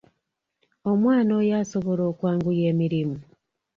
Omwana oyo asobola okwanguya emirimu?